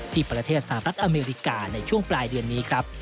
ที่ประเทศสหรัฐอเมริกาในช่วงปลายเดือนนี้ครับ